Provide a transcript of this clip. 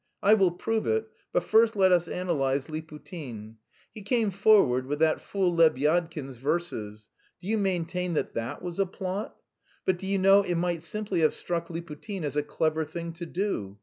I will prove it, but first let us analyse Liputin. He came forward with that fool Lebyadkin's verses. Do you maintain that that was a plot? But do you know it might simply have struck Liputin as a clever thing to do.